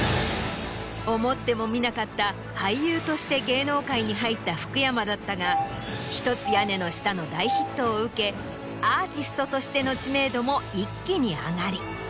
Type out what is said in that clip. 思ってもみなかった俳優として芸能界に入った福山だったが『ひとつ屋根の下』の大ヒットを受けアーティストとしての知名度も一気に上がり。